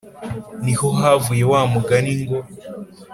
ni ho havuye wa mugani ngo